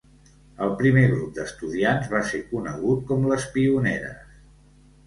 El primer grup d'estudiants va ser conegut com les Pioneres.